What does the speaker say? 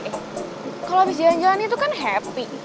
eh kalo abis jalan jalan itu kan happy